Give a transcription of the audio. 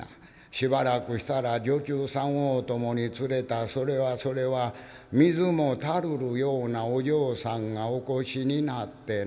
しばらくしたら女中さんをお供に連れたそれはそれは水も垂るるようなお嬢さんがお越しになってな」。